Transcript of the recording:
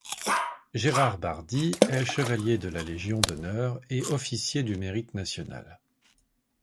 Gérard Bardy est chevalier de la Légion d'honneur et officier du Mérite National.